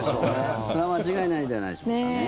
それは間違いないんじゃないでしょうかね。